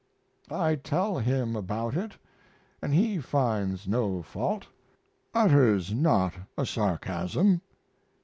I tell him about it and he finds no fault, utters not a sarcasm.